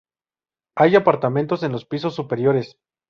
Hay apartamentos en los pisos superiores.